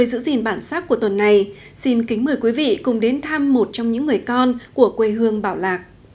trong tiểu mục người giữ gìn bản sắc của tuần này xin kính mời quý vị cùng đến thăm một trong những người con của quê hương bảo lạc